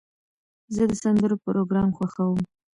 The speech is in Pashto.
زه د سندرو پروګرام خوښوم.